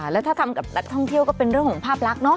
แล้วถ้าทำกับนักท่องเที่ยวก็เป็นเรื่องของภาพลักษณ์